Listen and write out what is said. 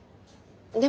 でも。